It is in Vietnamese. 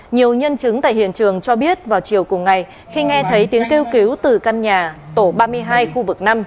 nhiều nhân chứng tại hiện trường cho biết vào chiều cùng ngày khi nghe thấy tiếng kêu cứu từ căn nhà tổ ba mươi hai khu vực năm